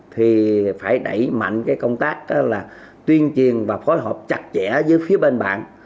thì phải đẩy mạnh cái công tác là tuyên truyền và phối hợp chặt chẽ với phía bên bạn